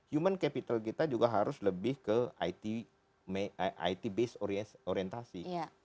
human capital kita juga harus lebih ke it based orientasi